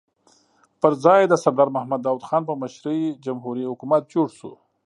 پر ځای یې د سردار محمد داؤد خان په مشرۍ جمهوري حکومت جوړ شو.